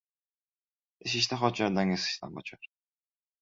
Ish ishtaha ochar, dangasa ishdan qochar.